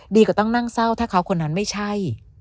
ก็ต้องนั่งเศร้าถ้าเขาคนนั้นไม่ใช่